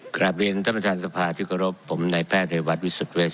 กราบเรียนท่านประธานทรัพย์ที่กระทบผมนายแพทย์เรียววัฒน์วิสุทธิ์เวส